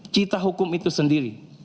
cita hukum itu sendiri